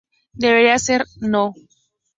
Debería ser: No.